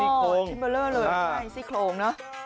อ๋อทิ้งเบอร์เลอร์เลยใช่ทิ้งโครงเนอะ